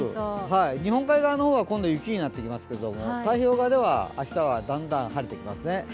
日本海側の方は今度、雪になってきますけれども、太平洋側では明日はだんだん晴れてきますね。